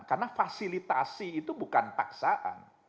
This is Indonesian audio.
karena fasilitasi itu bukan paksaan